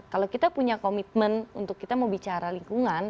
kalau kita punya komitmen untuk kita mau bicara lingkungan